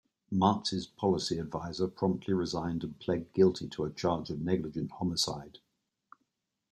Martz's policy advisor promptly resigned and pled guilty to a charge of negligent homicide.